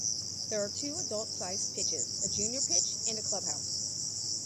There are two adult sized pitches, a junior pitch and a clubhouse.